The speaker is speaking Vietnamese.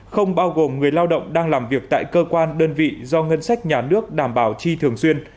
không bao gồm người lao động đang làm việc tại cơ quan đơn vị do ngân sách nhà nước đảm bảo chi thường xuyên